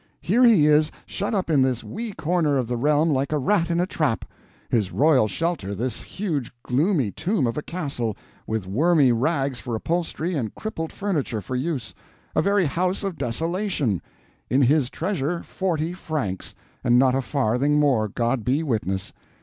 Here he is, shut up in this wee corner of the realm like a rat in a trap; his royal shelter this huge gloomy tomb of a castle, with wormy rags for upholstery and crippled furniture for use, a very house of desolation; in his treasure forty francs, and not a farthing more, God be witness!